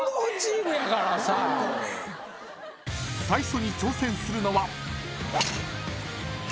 ［最初に挑戦するのは］